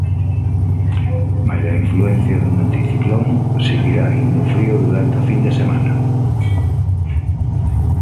Maila a influencia dun anticiclón, seguirá indo frío durante a fin de semana.